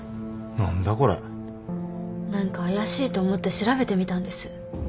何か怪しいと思って調べてみたんです。